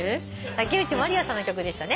竹内まりやさんの曲でしたね。